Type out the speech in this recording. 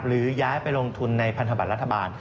ย้ายไปลงทุนในพันธบัตรรัฐบาล